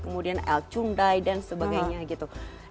kemudian el cunday dan sebagainya gitu